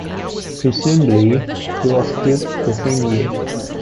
Presumably, he was killed the same year.